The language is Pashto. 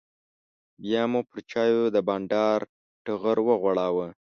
بیا مو پر چایو د بانډار ټغر وغوړاوه.